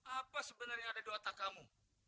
apa sebenarnya ada di otak kamu